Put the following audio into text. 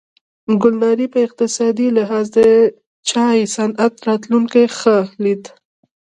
ګلنارې په اقتصادي لحاظ د چای صنعت راتلونکې ښه لیده.